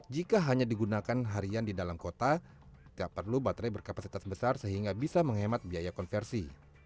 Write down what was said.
jika hanya digunakan harian di dalam kota tidak perlu baterai berkapasitas besar sehingga bisa menghemat biaya konversi